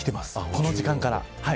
この時間から。